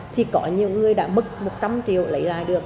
thì có nhiều người đã mất một trăm linh triệu lấy lại được